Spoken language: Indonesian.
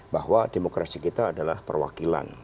bahwa demokrasi kita adalah perwakilan